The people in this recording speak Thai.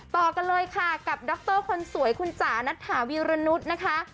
ต่อกันเลยค่ะกับดรคนสวยคุณจ๋านัทถาวีรณุษย์นะคะ